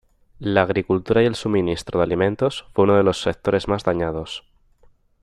La agricultura y el suministro de alimentos fue uno de los sectores más dañados.